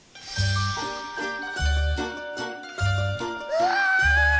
うわ！